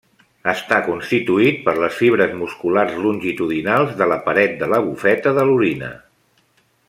Està constituït per les fibres musculars longitudinals de la paret de la bufeta de l'orina.